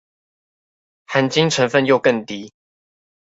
含金成分又更低